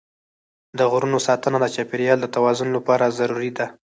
د غرونو ساتنه د چاپېریال د توازن لپاره ضروري ده.